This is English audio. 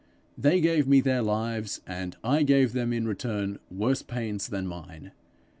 They gave me their lives, and I gave them in return worse pains than mine.